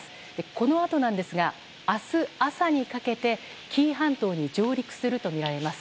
このあとなんですが明日朝にかけて、紀伊半島に上陸するとみられます。